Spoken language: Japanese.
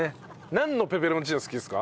なんのペペロンチーノが好きですか？